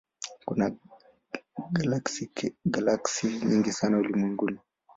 Kuna galaksi nyingi sana ulimwenguni.